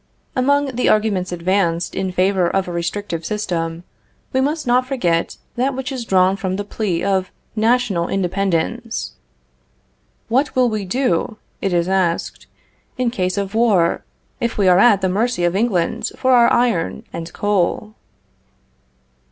Among the arguments advanced in favor of a restrictive system, we must not forget that which is drawn from the plea of national independence. "What will we do," it is asked, "in case of war, if we are at the mercy of England for our iron and coal?"